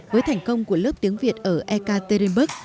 với thành công của lớp tiếng việt ở ek tây đình bức